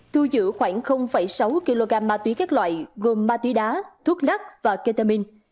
thu giữ khoảng sáu kg ma túy các loại gồm ma túy đá thuốc lắc và ketamin